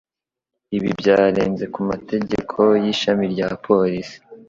Ibi byarenze ku mategeko y'ishami rya polisi.